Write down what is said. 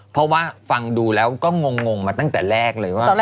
เพราะว่าฟังดูแล้วก็งงมาตั้งแต่แรกเลยว่า